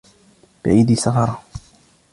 بأيدي سفرة